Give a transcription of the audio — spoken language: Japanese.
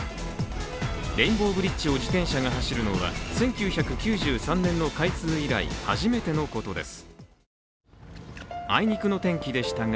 レインボーブリッジを自転車が走るのは１９９３年の開通以来、初めてのことです。